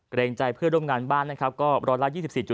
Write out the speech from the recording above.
๒เกรงใจเพื่อร่วมงานบ้านร้อยละ๒๔๓